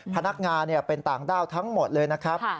พนักงานเป็นต่างด้าวทั้งหมดเลยนะครับ